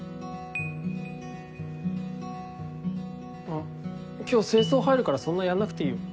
あ今日清掃入るからそんなやんなくていいよ。